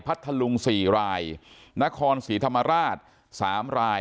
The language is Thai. พัทธลุง๔รายนครศรีธรรมราช๓ราย